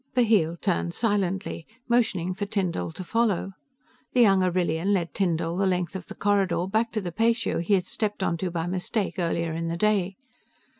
Bheel turned silently, motioning for Tyndall to follow. The young Arrillian led Tyndall the length of the corridor, back to the patio he had stepped onto by mistake earlier in the day.